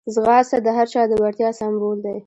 ځغاسته د هر چا د وړتیا سمبول دی